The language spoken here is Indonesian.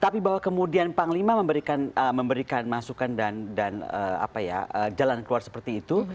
tapi bahwa kemudian panglima memberikan masukan dan jalan keluar seperti itu